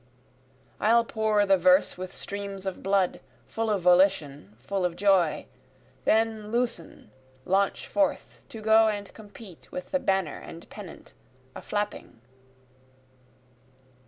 I'll pour the verse with streams of blood, full of volition, full of joy, Then loosen, launch forth, to go and compete, With the banner and pennant a flapping.